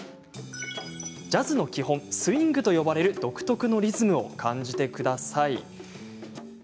ジャズの基本スウィングと呼ばれる独特のリズムを感じてください。